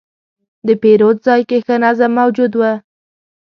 د پیرود ځای کې ښه نظم موجود و.